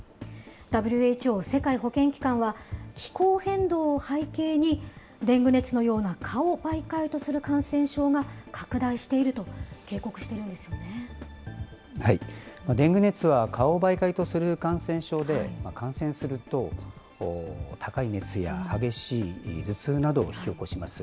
ＷＨＯ・世界保健機関は気候変動を背景に、デング熱のような蚊を媒介とする感染症が拡大していると警告してデング熱は蚊を媒介とする感染症で、感染すると高い熱や激しい頭痛などを引き起こします。